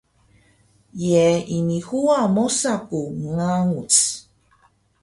ye ini huwa mosa ku nganguc?